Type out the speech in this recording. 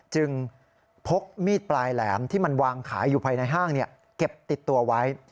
พกมีดปลายแหลมที่มันวางขายอยู่ภายในห้างเก็บติดตัวไว้